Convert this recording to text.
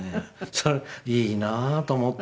それいいなと思ってね。